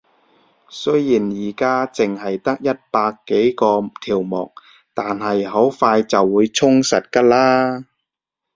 雖然而家淨係得一百幾個條目，但係好快就會充實㗎喇